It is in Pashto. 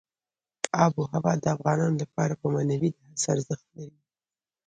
آب وهوا د افغانانو لپاره په معنوي لحاظ ارزښت لري.